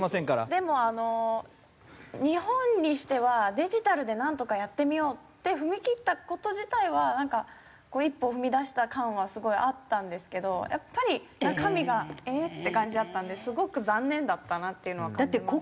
でもあの日本にしてはデジタルでなんとかやってみようって踏み切った事自体はなんか一歩を踏み出した感はすごいあったんですけどやっぱり中身が「えっ」って感じだったんですごく残念だったなっていうのは感じます。